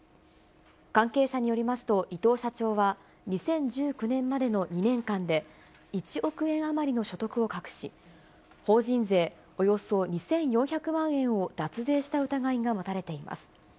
関係者によりますと、伊藤社長は、２０１９年までの２年間で、１億円余りの所得を隠し、法人税およそ２４００万円を脱税した疑いが持たれています。